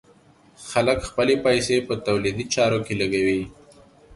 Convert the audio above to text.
خلک خپلې پيسې په تولیدي چارو کې لګوي.